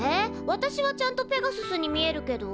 わたしはちゃんとペガススに見えるけど？